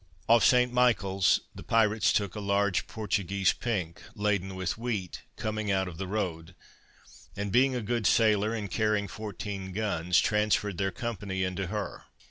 Off St. Michael's the pirates took a large Portuguese pink, laden with wheat, coming out of the road; and being a good sailor, and carrying 14 guns, transferred their company into her.